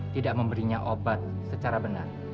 tidak memberinya obat secara benar